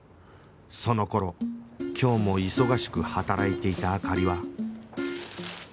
その頃今日も忙しく働いていた灯は